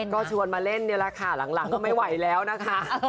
ก็ชวนมาเล่นนี่แหละค่ะหลังก็ไม่ไหวแล้วนะคะ